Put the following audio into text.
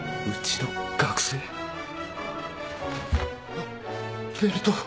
あっベルト！